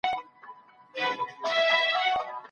دغه الفاظ طلاق بلل کيږي.